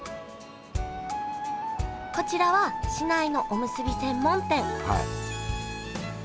こちらは市内のおむすび専門店はい。